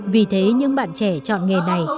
vì thế những bạn trẻ chọn nghề này